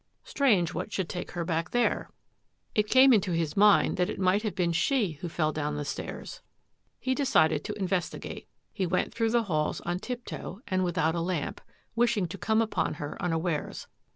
Strange what should take her back there. It A NIGHT OP ADVENTURE 81 came into his mind that it might have been she who fell down the stairs. He decided to investigate. He went through the halls on tiptoe and without a lamp, wishing to come upon her unawares.